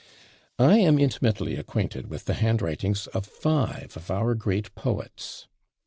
I am intimately acquainted with the handwritings of five of our great poets.